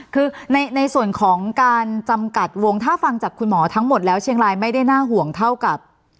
คือในส่วนของการจำกัดวงถ้าฟังจากคุณหมอทั้งหมดแล้วเชียงรายไม่ได้น่าห่วงเท่ากับ